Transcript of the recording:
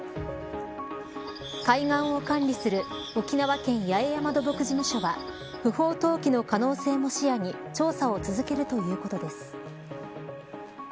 海岸を管理する沖縄県八重山土木事務所は不法投棄の可能性も視野に調査を続けるということです。